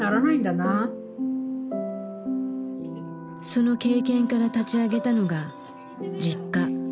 その経験から立ち上げたのがＪｉｋｋａ。